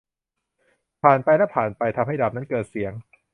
ผ่านไปและผ่านไป ทำให้ดาบนั้นเกิดเสียง